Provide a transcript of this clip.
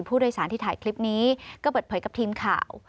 ผู้โดยสารที่ถ่ายคลิปนี้ก็เปิดเผยกับทีมข่าว